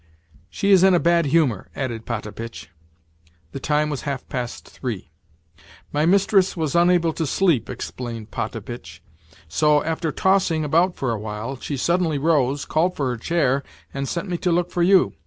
"She is in a bad humour," added Potapitch. The time was half past three. "My mistress was unable to sleep," explained Potapitch; "so, after tossing about for a while, she suddenly rose, called for her chair, and sent me to look for you.